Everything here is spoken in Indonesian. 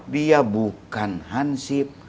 dia bukan hansip